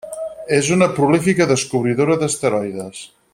És una prolífica descobridora d'asteroides.